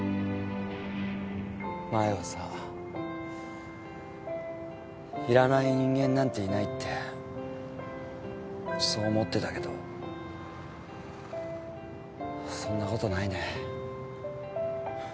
前はさいらない人間なんていないってそう思ってたけどそんなことないね。